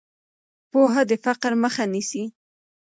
پوهه د فقر مخه نیسي.